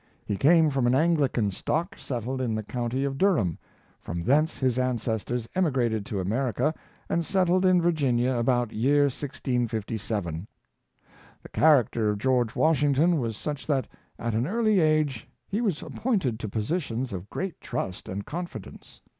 He came from an Anglian stock settled in the county of Durham; from thence his ancestors emi grated to America, and settled in Virginia about the year 1657. The character of George Washington was such that at an early age he was appointed to positions of great trust and confidence.